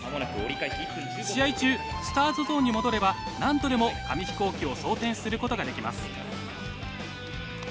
試合中スタートゾーンに戻れば何度でも紙飛行機を装填することができます。